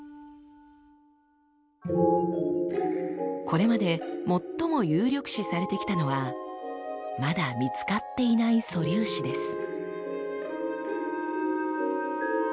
これまで最も有力視されてきたのはまだ見つかっていない素粒子です。